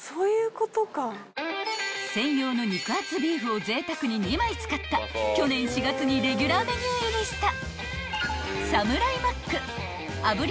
［専用の肉厚ビーフをぜいたくに２枚使った去年４月にレギュラーメニュー入りした］